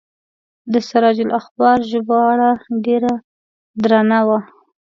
د سراج الاخبار ژباړه ډیره درنه وه.